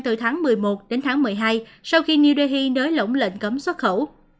từ tháng một mươi một đến tháng một mươi hai sau khi new delhi nới lỏng lệnh cấm xuất khẩu